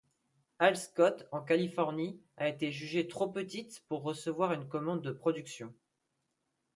Hall-Scott en Californie a été jugée trop petite pour recevoir une commande de production.